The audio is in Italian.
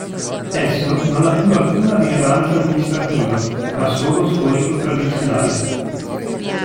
Esso non ha più alcuna rilevanza amministrativa ma solo storico-tradizionale.